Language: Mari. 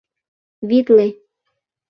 — Витле!